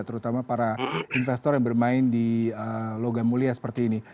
terutama para investor yang bermain di logam mulia seperti ini